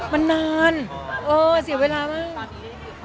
มันนานเศรียญเวลามาก